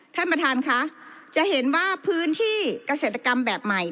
ท่านประธานค่ะจะเห็นว่าพื้นที่เกษตรกรรมแบบใหม่